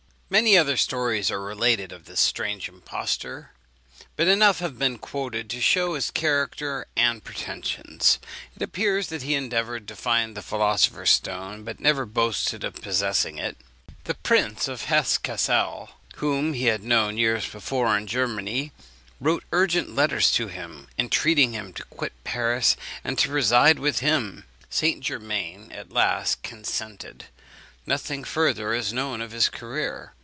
Many other stories are related of this strange impostor; but enough have been quoted to shew his character and pretensions. It appears that he endeavoured to find the philosopher's stone; but never boasted of possessing it. The Prince of Hesse Cassel, whom he had known years before, in Germany, wrote urgent letters to him, entreating him to quit Paris, and reside with him. St. Germain at last consented. Nothing further is known of his career.